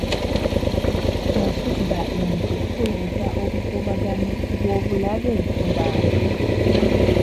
Okubba ente kuleeta obukuubagano obw'obulabe mu bantu.